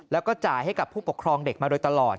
แล้วก็จ่ายให้กับผู้ปกครองเด็กมาโดยตลอด